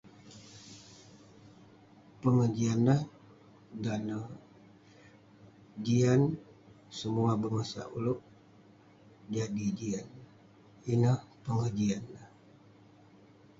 Pengejian neh, dan neh jian, semuah bengosak ulouk jadi jian. Ineh pengejian neh.